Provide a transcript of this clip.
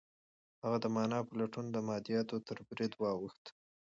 هغه د مانا په لټون کې د مادیاتو تر بریدونو واوښت.